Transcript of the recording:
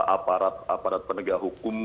aparat aparat penegak hukum